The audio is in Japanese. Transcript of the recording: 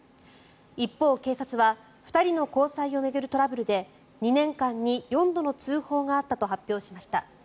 一方、警察は２人の交際を巡るトラブルで２年間に４度の通報があったと発表しました。